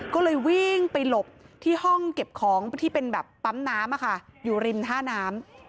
ก็เลยวิ่งไปหลบที่ห้องเก็บของที่เป็นแบบปั๊มน้ำอยู่ริมท่าน้ำ